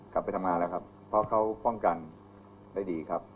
กลับไปทำงานแล้วครับเพราะเขาป้องกันได้ดีครับ